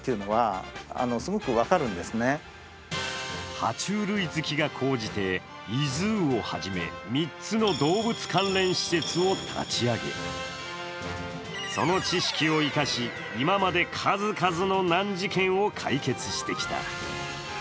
は虫類好きが講じてｉＺｏｏを初め３つの動物関連施設を立ち上げ、その知識を生かし、今まで数々の難事件を解決してきた。